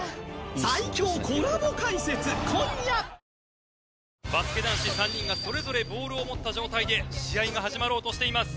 わかるぞバスケ男子３人がそれぞれボールを持った状態で試合が始まろうとしています。